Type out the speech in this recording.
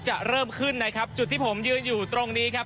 จะเริ่มขึ้นนะครับจุดที่ผมยืนอยู่ตรงนี้ครับ